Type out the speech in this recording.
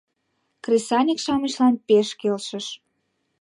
Кресаньык-шамычлан пеш келшыш.